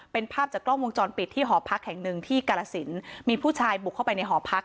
เป็นภาพจากกล้องวงจรปิดที่หอพักแห่งหนึ่งที่กาลสินมีผู้ชายบุกเข้าไปในหอพัก